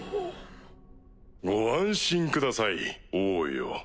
ご安心ください王よ。